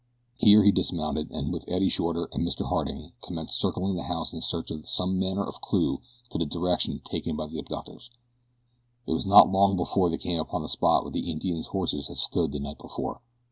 Here he dismounted and with Eddie Shorter and Mr. Harding commenced circling the house in search of some manner of clue to the direction taken by the abductors. It was not long before they came upon the spot where the Indians' horses had stood the night before.